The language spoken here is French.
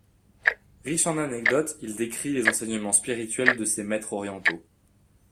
Riche en anecdotes, il décrit les enseignements spirituels de ses maîtres orientaux.